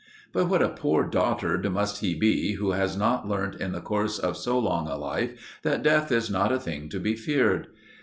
But what a poor dotard must he be who has not learnt in the course of so long a life that death is not a thing to be feared?